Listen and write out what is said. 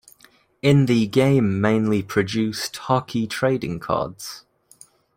In The Game mainly produced hockey trading cards.